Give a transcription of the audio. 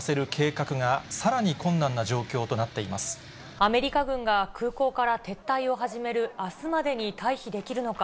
アメリカ軍が空港から撤退を始めるあすまでに退避できるのか。